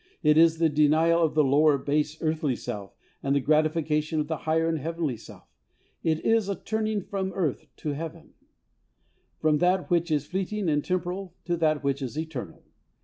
It is the denial of the lower, base, earthly self, and the gratification of the higher and heavenly self. It is a turning from earth to Heaven; from that which is fleeting and temporal to that which is eternal.